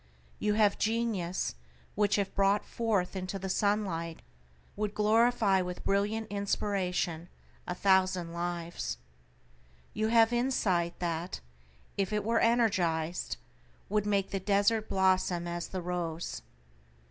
You have genius, which, if it were brought forth into the sunlight, would glorify with brilliant inspiration a thousand lives. You have insight that, if it were energized, would make the desert blossom as the rose.